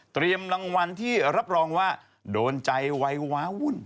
รางวัลที่รับรองว่าโดนใจวัยว้าวุ่น